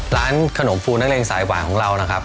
ร้านขนมฟูนักเลงสายหวานของเรานะครับ